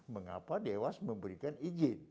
mengapa dewa memberikan izin